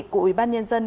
của ủy ban nhân dân